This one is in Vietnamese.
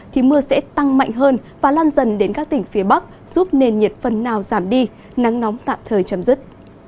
thì mưa sẽ tăng mạnh hơn và lan dần đến các tỉnh phía bắc giúp nền nhiệt phần nào giảm đi nắng nóng tạm thời chấm dứt